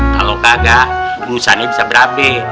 kalau kagak urusannya bisa berabe